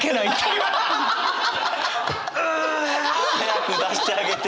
うう。早く出してあげて。